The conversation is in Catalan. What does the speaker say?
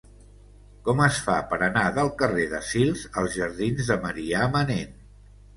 Com es fa per anar del carrer de Sils als jardins de Marià Manent?